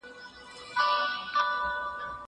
فکر وکړه!!